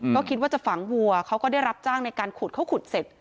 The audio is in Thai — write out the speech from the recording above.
ก็คิดว่าจะฝังวัวเขาก็ได้รับจ้างในการขุดเขาขุดเสร็จ